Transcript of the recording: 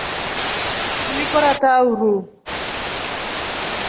Ngili kora taa uruu.